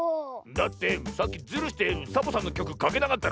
だってさっきズルしてサボさんのきょくかけなかったろ。